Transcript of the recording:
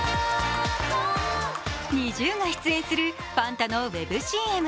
ＮｉｚｉＵが出演するファンタのウェブＣＭ。